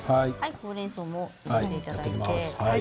ほうれんそうも入れていただいて。